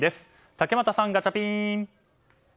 竹俣さん、ガチャピン！